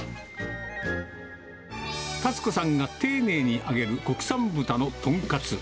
たつ子さんが丁寧に揚げる国産豚の豚カツ。